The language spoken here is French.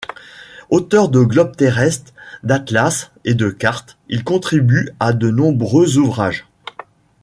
Auteur de globes terrestres, d'atlas et de cartes, il contribue à de nombreux ouvrages.